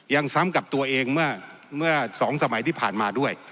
ยังซ้ำกับตัวเองเมื่อ๒สมัยที่ผ่านมาด้วย